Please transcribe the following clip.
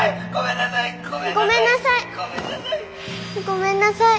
ごめんなさい。